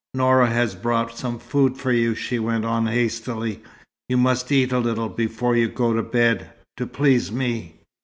"Noura has brought some food for you," she went on hastily. "You must eat a little, before you go to bed to please me."